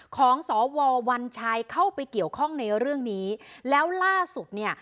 ของสววัญชัยเข้าไปเกี่ยวข้องในเรื่องนี้แล้วล่าสุดเนี่ย